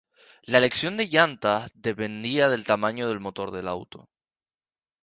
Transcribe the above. La elección de llantas dependía del tamaño del motor del auto.